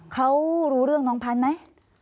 เขารู้เรื่องน้องพันธุ์ไหม